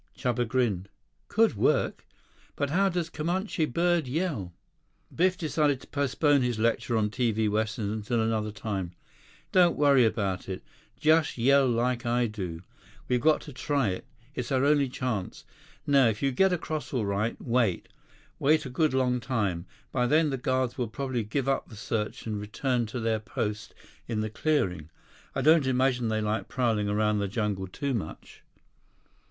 84 Chuba grinned. "Could work. But how does Comanche bird yell?" Biff decided to postpone his lecture on TV westerns until another time. "Don't worry about it. Just yell like I do. We've got to try it. It's our only chance. Now, if you get across all right, wait. Wait a good long time. By then, the guards will probably give up the search and return to their post in the clearing. I don't imagine they like prowling around the jungle too much."